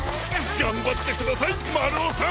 がんばってくださいまるおさん！